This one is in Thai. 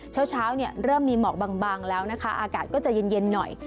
เช้าเริ่มมีหมอกบางแล้วนะคะอากาศก็จะเย็นหน่อย